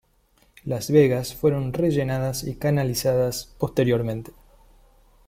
Las vegas fueron rellenadas y canalizadas, posteriormente.